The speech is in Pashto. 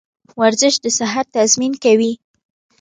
ورزش د صحت تضمین کوي.